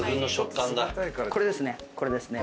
これですね。